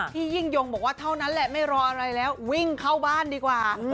ยิ่งยงบอกว่าเท่านั้นแหละไม่รออะไรแล้ววิ่งเข้าบ้านดีกว่า